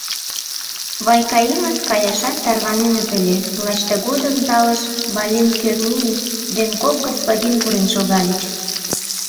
Вайкаимыт каяшат тарваненыт ыле, лач тыгодым залыш Балинт Кӧрнеи ден кок господин пурен шогальыч.